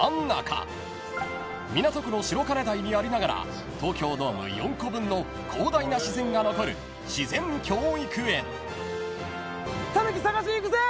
［港区の白金台にありながら東京ドーム４個分の広大な自然が残る自然教育園］